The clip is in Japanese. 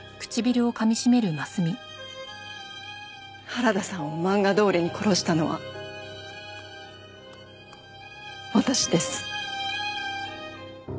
原田さんを漫画どおりに殺したのは私です。